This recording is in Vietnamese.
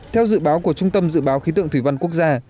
theo dự báo của trung tâm dự báo khí tượng thủy văn quốc gia